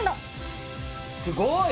すごい！